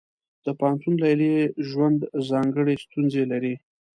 د پوهنتون لیلیې ژوند ځانګړې ستونزې لري.